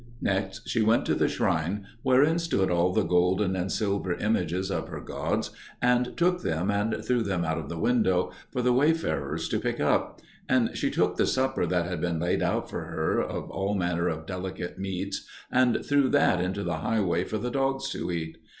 Next she went to the shrine wherein stood all the golden and silver images of her gods, and took them and threw them out of the window for the wayfarers to pick up; and she took the supper that had been laid out for her of all manner of delicate meats, and threw that into the highway for the dogs to eat.